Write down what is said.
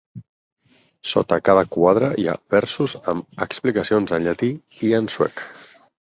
Sota cada quadre hi ha versos amb explicacions en llatí i en suec.